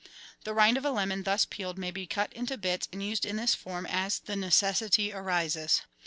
The rind of a lemon thus peeled may be cut into bits and used in this form as the necessity arises.